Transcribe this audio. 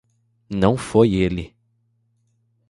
Não foi ele